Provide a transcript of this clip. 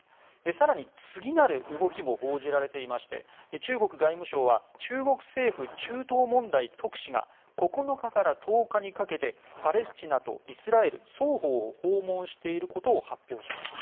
更に、次なる動きも報じられていまして中国外務省は中国政府中東問題特使が９日から１０日にかけてパレスチナとイスラエル双方を訪問していることを発表しました。